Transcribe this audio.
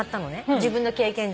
自分の経験上。